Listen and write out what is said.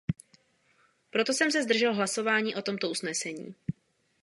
Proto jsem se zdržel hlasování o tomto usnesení.